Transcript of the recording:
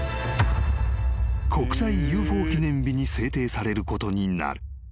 ［国際ＵＦＯ記念日に制定されることになる］